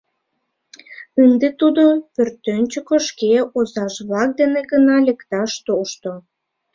Ынде тудо пӧртӧнчыкӧ шке озаж-влак дене гына лекташ тошто.